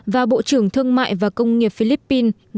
và bộ trưởng thương mại và công nghiệp philippines